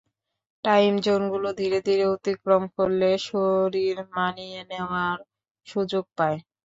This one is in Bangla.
টাইম জোনগুলো ধীরে ধীরে অতিক্রম করলে, শরীর মানিয়ে নেওয়ার সুযোগ পায়।